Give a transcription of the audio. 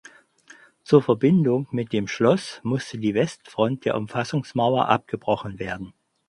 Zur Verbindung mit dem Schloss musste die Westfront der Umfassungsmauer abgebrochen werden.